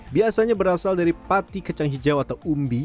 biasanya berasal dari pati kecang hijau atau umbi